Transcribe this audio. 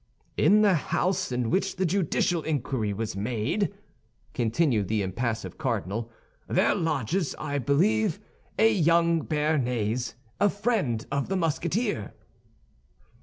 "In the house in which the judicial inquiry was made," continued the impassive cardinal, "there lodges, I believe, a young Béarnais, a friend of the Musketeer."